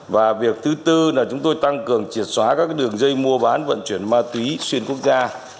và việc thứ tư là chúng tôi tăng cường triệt xóa các đường dây mua bán vận chuyển ma túy xuyên quốc gia